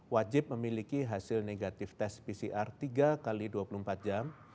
wajib memiliki hasil negatif tes pcr tiga x dua puluh empat jam